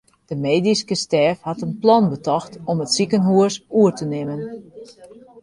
De medyske stêf hat in plan betocht om it sikehûs oer te nimmen.